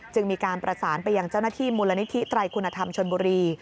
จึงมีการประสานไปยังเจ้าหน้าที่มูลนิธิไตรคุณธรรมชนบุรี